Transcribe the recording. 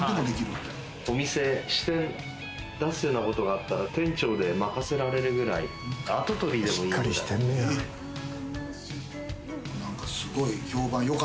支店を出すようなことがあったら、店長を任せられるくらい、跡取りでもいい。